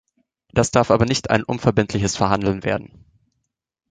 Das darf aber nicht ein unverbindliches Verhandeln werden.